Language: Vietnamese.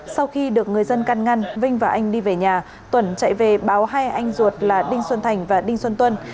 sau khi được người dân căn ngăn vinh và anh đi về nhà tuẩn chạy về báo hai anh ruột là đinh xuân thành và đinh xuân tuân